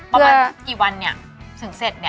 ประมาณกี่วันเนี่ยถึงเสร็จเนี่ย